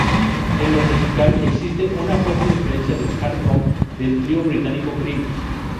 En lo musical, existe una fuerte influencia del hard rock del trío británico Cream.